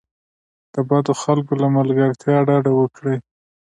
د بدو خلکو له ملګرتیا ډډه وکړئ.